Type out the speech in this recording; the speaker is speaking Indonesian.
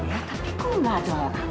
tapi kok nggak ada orang